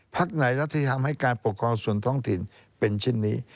ไหนแล้วที่ทำให้การปกครองส่วนท้องถิ่นเป็นเช่นนี้